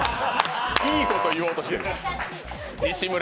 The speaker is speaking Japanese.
いいこと言おうとしてる。